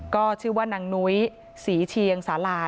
ก็ชื่อว่านางนุ้ยศรีเชียงสาลา